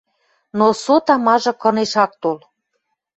Но со тамажы кынеш ак тол.